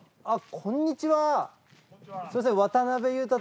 あっこんにちは。